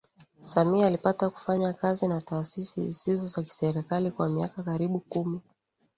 Samia alipata kufanya kazi na taasisi zisizo za kiserikali kwa miaka karibu kumi